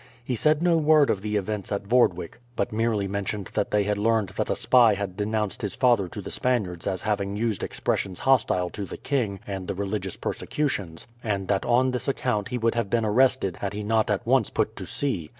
He said no word of the events at Vordwyk; but merely mentioned they had learned that a spy had denounced his father to the Spaniards as having used expressions hostile to the king and the religious persecutions, and that on this account he would have been arrested had he not at once put to sea.